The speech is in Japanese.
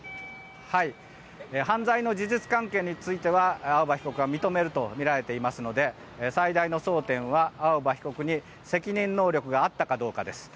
犯罪の事実関係については青葉被告は認めるとみられていますので最大の争点は青葉被告に責任能力があったかどうかです。